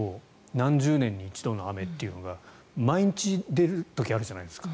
何十年に一度の雨というのが毎日出る時あるじゃないですか。